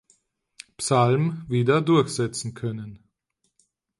Psalm wieder durchsetzen können.